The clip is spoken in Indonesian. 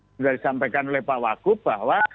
sudah disampaikan oleh pak wakub bahwa